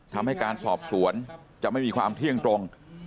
ทำให้การสอบสวนจะไม่มีความเที่ยงตรง